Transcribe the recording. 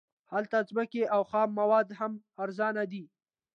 هلته ځمکې او خام مواد هم ارزانه دي